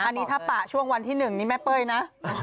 อันนี้ถ้าปะช่วงวันที่๑นี่แม่เป้ยนะ